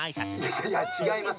いやいやちがいます。